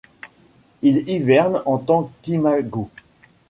Il hiverne en tant qu'imago.